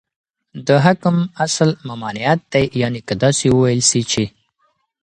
دحكم اصل ، ممانعت دى يعني كه داسي وويل سي چې